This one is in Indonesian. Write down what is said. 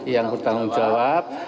yang bertanggung jawab